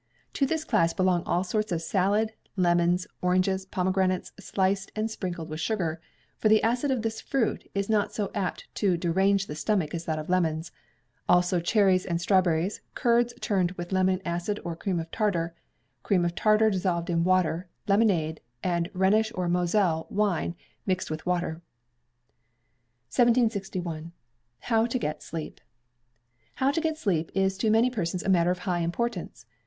To this class belong all sorts of salad, lemons, oranges, pomegranates sliced and sprinkled with sugar, for the acid of this fruit is not so apt to derange the stomach as that of lemons; also cherries and strawberries, curds turned with lemon acid or cream of tartar; cream of tartar dissolved in water; lemonade, and Rhenish or Moselle wine mixed with water. 1761. How to get Sleep. How to get sleep is to many persons a matter of high importance.